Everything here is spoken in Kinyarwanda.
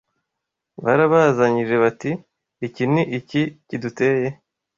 barabazanyije bati iki ni iki kiduteye